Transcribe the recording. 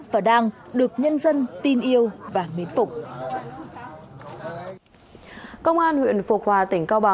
và tệ nạn xã hội